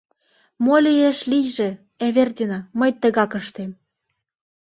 Мо лиеш — лийже, Эвердина, мый тыгак ыштем!..